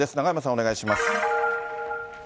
お願いします。